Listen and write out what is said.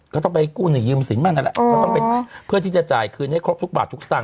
ก็ต้องไปกู้หนึ่งยืมสินบ้างนั่นแหละก็ต้องเป็นเพื่อที่จะจ่ายคืนให้ครบทุกบาททุกสตางค